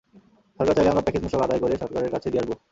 সরকার চাইলে আমরা প্যাকেজ মূসক আদায় করে সরকারের কাছে দিয়ে আসব।